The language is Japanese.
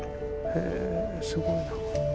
へすごいな。